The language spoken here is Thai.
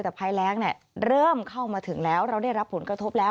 แต่ภายแรงเริ่มเข้ามาถึงแล้วเราได้รับผลกระทบแล้ว